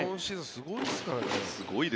すごいですよね。